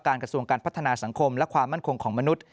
กระทรวงการพัฒนาสังคมและความมั่นคงของมนุษย์